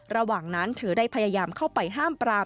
ระหว่างนั้นเธอได้พยายามเข้าไปห้ามปราม